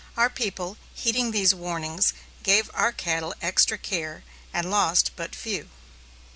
Our people, heeding these warnings, gave our cattle extra care, and lost but few.